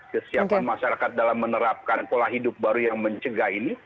kesiapan masyarakat dalam menerapkan pola hidup baru yang mencegah ini